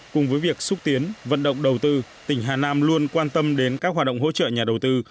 cùng với việc xúc tiến vận động đầu tư tỉnh hà nam luôn quan tâm đến các hoạt động hỗ trợ nhà đầu tư